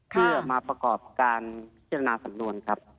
เพื่อมาประกอบการเข้าใจทหลังสำนวนครับ